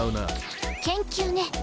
研究ね。